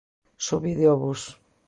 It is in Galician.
Subide ao bus.